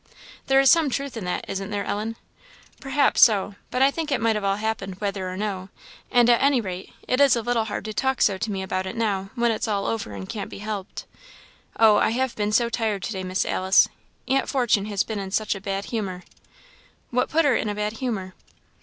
"There is some truth in that, isn't there, Ellen?" "Perhaps so; but I think it might all have happened whether or no; and, at any rate, it is a little hard to talk so to me about it now, when it's all over, and can't be helped. Oh, I have been so tired to day, Miss Alice! Aunt Fortune has been in such a bad humour." "What put her in a bad humour?"